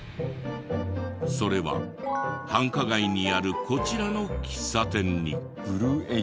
それは繁華街にあるこちらの喫茶店に。